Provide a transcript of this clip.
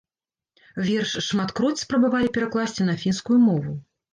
Верш шматкроць спрабавалі перакласці на фінскую мову.